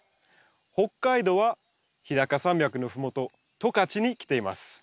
北海道は日高山脈のふもと十勝に来ています。